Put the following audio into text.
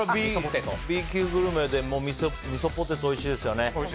Ｂ級グルメでみそポテトおいしいですよね。